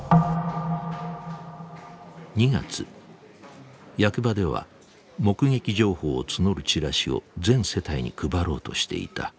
２月役場では目撃情報を募るチラシを全世帯に配ろうとしていた。